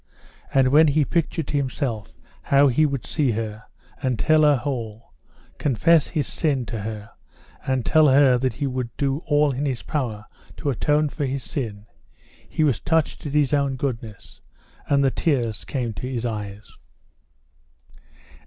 And when he pictured to himself how he would see her, and tell her all, confess his sin to her, and tell her that he would do all in his power to atone for his sin, he was touched at his own goodness, and the tears came to his eyes.